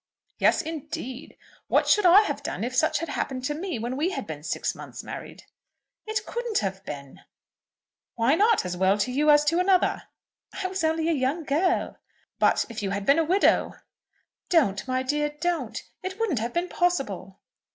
"Yes, indeed. What should I have done if such had happened to me when we had been six months married?" "It couldn't have been." "Why not to you as well as to another?" "I was only a young girl." "But if you had been a widow?" "Don't, my dear; don't! It wouldn't have been possible."